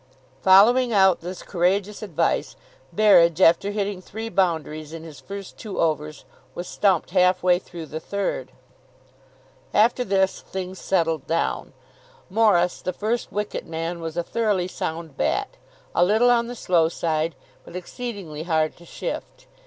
Following out this courageous advice, Berridge, after hitting three boundaries in his first two overs, was stumped half way through the third. After this, things settled down. Morris, the first wicket man, was a thoroughly sound bat, a little on the slow side, but exceedingly hard to shift.